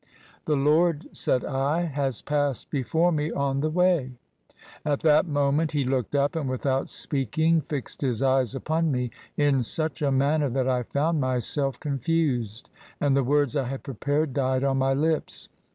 "' The Lord,* said I, * has passed before me on the way/ At that moment he looked up and, without speaking, fixed his Gy^s upon me in such a manner that I found myself confused, and the words I had prepared died on my lips.